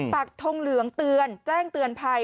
ปักทงเหลืองเตือนแจ้งเตือนภัย